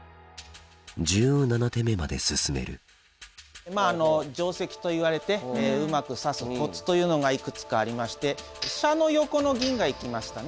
１７手目まで進める定跡といわれてうまく指すコツというのがいくつかありまして飛車の横の銀が行きましたね。